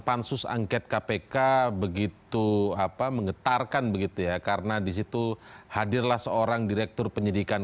pansuangket kpk begitu apa mengetarkan begitu ya karena disitu hadirlah seorang direktur penyidikan